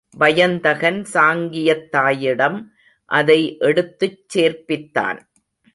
வயந்தகன் சாங்கியத் தாயிடம் அதை எடுத்துச் சேர்ப்பித்திான்.